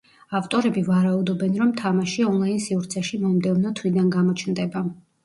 ავტორები ვარაუდობენ, რომ თამაში ონლაინ სივრცეში მომდევნო თვიდან გამოჩნდება.